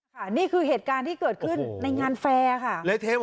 นี่คือเหตุการณ์ที่เกิดขึ้นในงานแฟร์ค่ะ